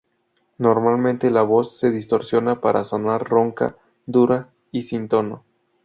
Normalmente, la voz se distorsiona para sonar ronca, dura y sin tono.